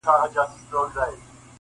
کلي به سوځو جوماتونه سوځو-